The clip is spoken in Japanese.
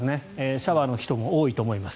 シャワーの人が多いと思います。